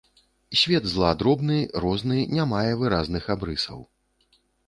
Свет зла дробны, розны, не мае выразных абрысаў.